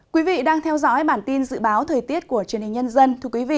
quý vị đang theo dõi bản tin dự báo thời tiết của truyền hình nhân dân